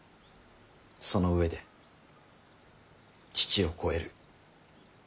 その上で父を超える。